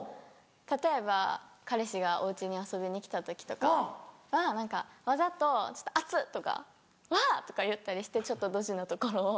例えば彼氏がお家に遊びに来た時とかはわざと「熱っ」とか「わぁ！」とか言ったりしてちょっとドジなところを。